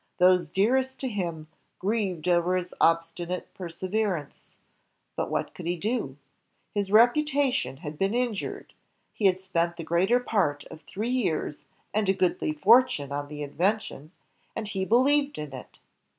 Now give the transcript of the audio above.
Those dearest to him grieved over his obstinate perseverance. But what could he do? His reputation had been injured; he had spent the greater part of three years and a goodly fortune on the invention, and he be lieved in it.